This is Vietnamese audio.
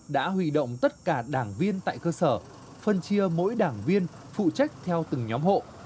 đã huy động tất cả đảng viên tại cơ sở phân chia mỗi đảng viên phụ trách theo từng nhóm hộ